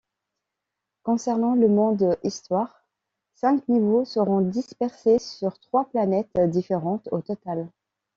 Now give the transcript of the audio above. Concernant le mode histoire, cinq niveaux seront dispersés sur trois planètes différentes au total.